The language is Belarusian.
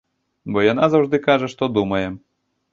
Бо яна заўжды кажа, што думае.